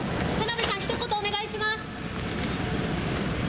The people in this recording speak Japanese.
田辺さん、ひと言お願いします。